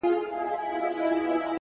خود به يې اغزی پرهر- پرهر جوړ کړي-